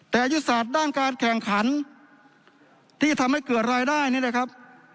แต่ยุทธศาสตร์ด้านการแข่งขันที่ทำให้เกิดรายได้นี่นะครับ